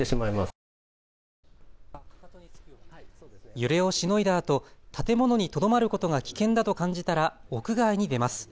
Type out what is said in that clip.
揺れをしのいだあと建物にとどまることが危険だと感じたら屋外に出ます。